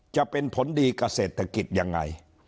จะเป็นผลดีกับเศรษฐกิจยังไง